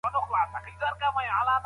دولت به د نويو توليدي طريقو ملاتړ کوي.